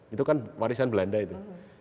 itu kan warisan belanda itu